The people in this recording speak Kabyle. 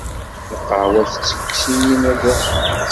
Lqahwa tettekkes-iyi nadam.